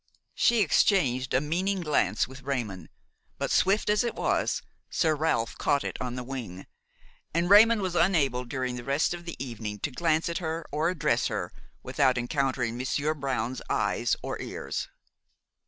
She exchanged a meaning glance with Raymon; but, swift as it was, Sir Ralph caught it on the wing, and Raymon was unable, during the rest of the evening, to glance at her or address her without encountering Monsieur Brown's eyes or ears.